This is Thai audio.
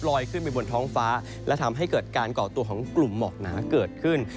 ขึ้นไปบนท้องฟ้าและทำให้เกิดการก่อตัวของกลุ่มหมอกหนาเกิดขึ้น